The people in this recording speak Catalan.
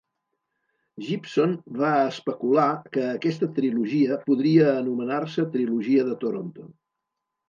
Gibson va especular que aquesta trilogia podria anomenar-se "Trilogia de Toronto".